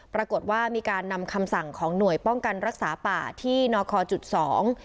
ปรากฏว่ามีการนำคำสั่งของหน่วยป้องกันรักษาป่าที่นอคอจุดสอง